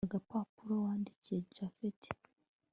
agapapuro wandikiye japhet